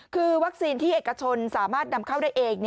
คือวัคซีนที่เอกชนสามารถนำเข้าได้เอง